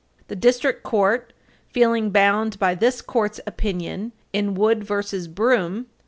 The District Court, feeling bound by this Court's opinion in Wood v. Broom, 287 U.